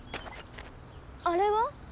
あれは？